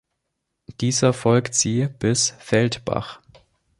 Dieser folgt sie bis Feldbach.